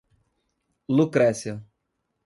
Lucrécia